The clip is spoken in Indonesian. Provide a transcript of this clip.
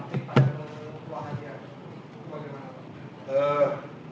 itu kekuatannya itu bagaimana pak